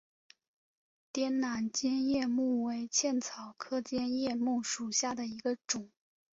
滇南尖叶木为茜草科尖叶木属下的一个种。